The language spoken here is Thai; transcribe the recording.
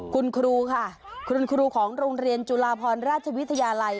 คุณครูค่ะคุณครูของโรงเรียนจุฬาพรราชวิทยาลัย